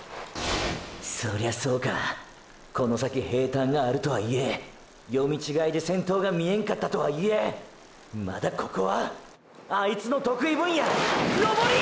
そりゃそうかこの先平坦があるとはいえ読み違いで先頭が見えんかったとはいえまだここは真波の得意分野登りや！！